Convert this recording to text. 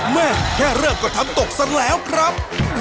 แม่แค่เริ่มก็ทำตกซะแล้วครับ